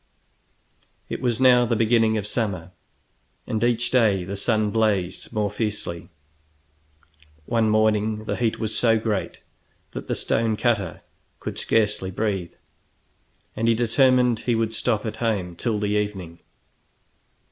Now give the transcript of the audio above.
It was now the beginning of summer, and each day the sun blazed more fiercely. One morning the heat was so great that the stone cutter could scarcely breathe, and he determined he would stop at home till the evening.